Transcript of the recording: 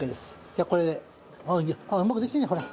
じゃあこれでああうまくできてるじゃんほら。